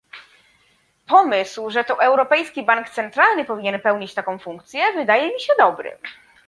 Pomysł, że to Europejski Bank Centralny powinien pełnić taką funkcję, wydaje mi się dobry